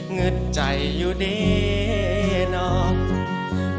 เงิดใจอยู่ดีเนาะ